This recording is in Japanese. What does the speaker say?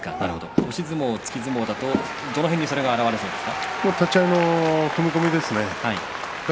押し相撲と突き相撲だとどの辺に現れそうですか。